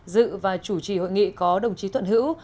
dự và chủ trì hội nghị có đồng chí thuận hữu